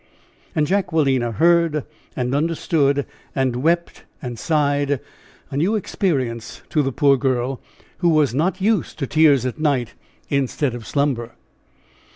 And Jacquelina heard and understood, and wept and sighed a new experience to the poor girl, who was "Not used to tears at night Instead of slumber!"